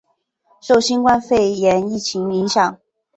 受新冠肺炎疫情影响